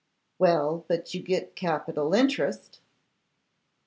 'Well, but you get capital interest?